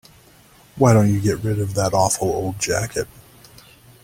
Why don't you get rid of that awful old jacket?